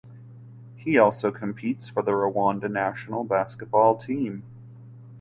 He also competes for the Rwanda national basketball team.